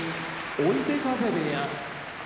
追手風部屋